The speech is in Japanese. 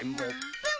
プン。